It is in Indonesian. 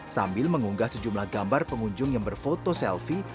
sambil mengunggah sejumlah gambar pengunjung yang berfoto selfie